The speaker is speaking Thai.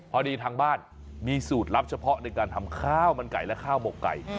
พอดีทางบ้านมีสูตรลับเฉพาะในการทำข้าวมันไก่และข้าวหมกไก่